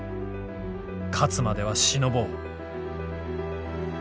勝つ迄は忍ぼう」。